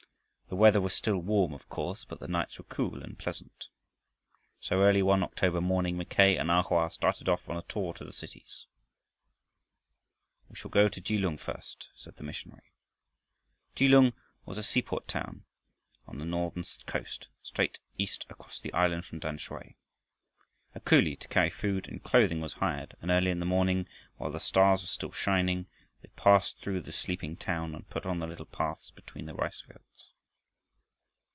The weather was still warm of course, but the nights were cool and pleasant. So early one October morning, Mackay and A Hoa started off on a tour to the cities. "We shall go to Kelung first," said the missionary. Kelung was a seaport city on the northern coast, straight east across the island from Tamsui. A coolie to carry food and clothing was hired, and early in the morning, while the stars were still shining, they passed through the sleeping town and out on the little paths between the rice fields.